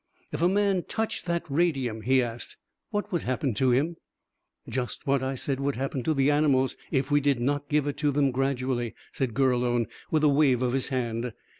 "If a man touched that radium," he asked, "what would happen to him?" "Just what I said would happen to the animals if we did not give it to them gradually," said Gurlone, with a wave of his hand.